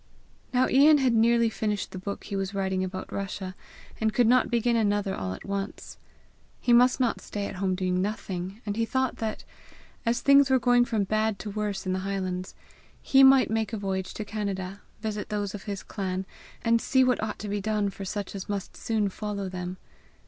Now Ian had nearly finished the book he was writing about Russia, and could not begin another all at once. He must not stay at home doing nothing, and he thought that, as things were going from bad to worse in the highlands, he might make a voyage to Canada, visit those of his clan, and see what ought to be done for such as must soon follow them.